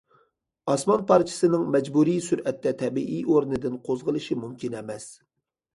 ئاسمان پارچىسىنىڭ مەجبۇرىي سۈرئەتتە تەبىئىي ئورنىدىن قوزغىلىشى مۇمكىن ئەمەس.